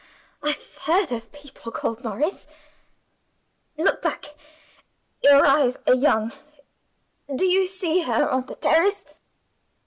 "Ah, I've heard of people called 'Morris.' Look back! Your eyes are young do you see her on the terrace?"